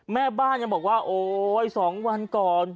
แม่บ้านยังบอกว่าโอ๊ย๒วันก่อน